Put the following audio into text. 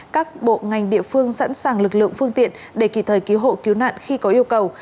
các bộ ngành địa phương sẵn sàng lực lượng phương tiện để kịp thời cứu hộ cứu nạn khi có yêu cầu